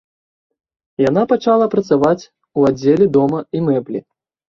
Яна пачала працаваць у аддзеле дома і мэблі.